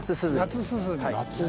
夏すずみ。